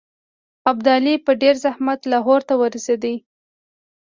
ابدالي په ډېر زحمت لاهور ته ورسېدی.